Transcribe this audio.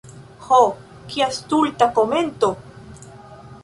Ho, kia stulta komento!